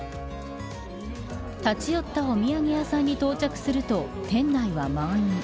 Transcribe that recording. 立ち寄ったお土産屋さんに到着すると店内は満員。